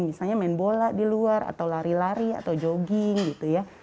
misalnya main bola di luar atau lari lari atau jogging gitu ya